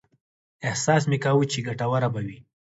احساس مې کاوه چې ګټوره به وي.